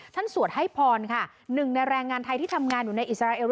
สวดให้พรค่ะหนึ่งในแรงงานไทยที่ทำงานอยู่ในอิสราเอล